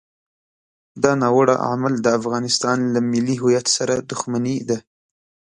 دا ناوړه عمل د افغانستان له ملي هویت سره دښمني ده.